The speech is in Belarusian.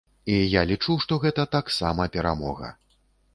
І я лічу, што гэта таксама перамога.